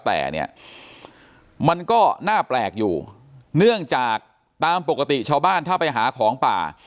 แต่เนี่ยมันก็น่าแปลกอยู่เนื่องจากตามปกติชาวบ้านถ้าไปหาของป่า